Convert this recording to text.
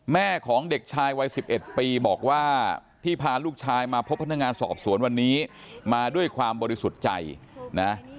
แม่ของเด็กชายวัย๑๑ปีบอกว่าที่พาลูกชายมาพบพนักงานสอบสวนวันนี้มาด้วยความบริสุทธิ์ใจนะ